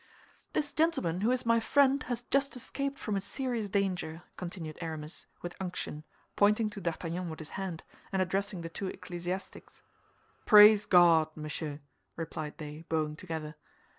"This gentleman, who is my friend, has just escaped from a serious danger," continued Aramis, with unction, pointing to D'Artagnan with his hand, and addressing the two ecclesiastics. "Praise God, monsieur," replied they, bowing together.